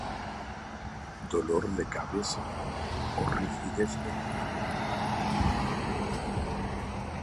Dolor de cabeza o rigidez de cuello